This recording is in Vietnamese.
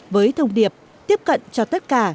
với thông điệp tiếp cận cho tất cả